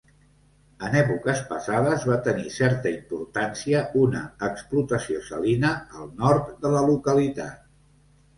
En èpoques passades, va tenir certa importància una explotació salina al nord de la localitat.